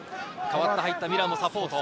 代わって入ったミラーのサポート。